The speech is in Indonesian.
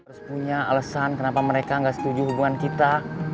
harus punya alesan kenapa mereka gak setuju hubungan kita